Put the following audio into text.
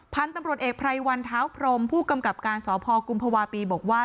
พันธุ์ตำรวจเอกไพรวันเท้าพรมผู้กำกับการสพกุมภาวะปีบอกว่า